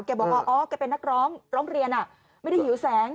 บอกว่าอ๋อแกเป็นนักร้องร้องเรียนไม่ได้หิวแสง